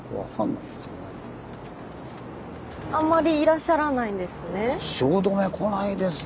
あんまりいらっしゃらないんですね。